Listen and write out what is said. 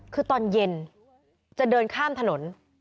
คือตอนเย็นจะเดินข้ามถนน